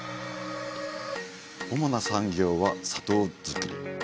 主な産業は砂糖作り。